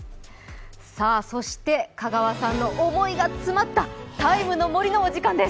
そして香川さんの思いが詰まった「ＴＩＭＥの森」の時間です。